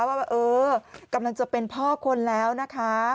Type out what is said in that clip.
ว่าเออกำลังจะเป็นพ่อคนแล้วนะคะ